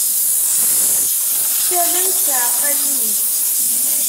Ktalent tɛaqqayin-is.